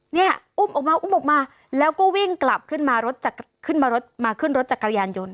เนี่ยอุ้มออกมาอุ้มออกมาแล้วก็วิ่งกลับขึ้นมารถจากขึ้นมารถมาขึ้นรถจักรยานยนต์